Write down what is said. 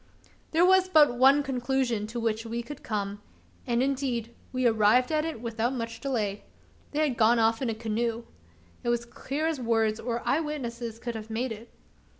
There was but one conclusion to which we could come; and indeed we arrived at it without much delay: they had gone off in a canoe. It was clear as words or eye witnesses could have made it.